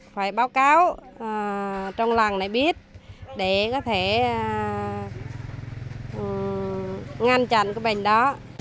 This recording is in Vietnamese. phải báo cáo trong làng này biết để có thể ngăn chặn cái bệnh đó